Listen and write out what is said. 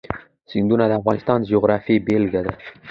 سیندونه د افغانستان د جغرافیې بېلګه ده.